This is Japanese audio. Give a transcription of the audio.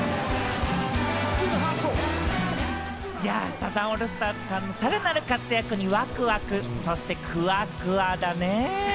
サザンオールスターズさん、さらなる活躍にワクワク、そしてクワクワだねぇ。